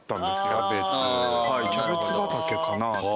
キャベツ畑かなと。